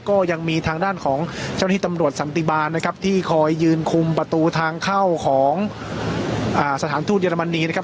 ก็ยังมีทางด้านของเจ้าหน้าที่ตำรวจสันติบาลนะครับที่คอยยืนคุมประตูทางเข้าของสถานทูตเยอรมนีนะครับ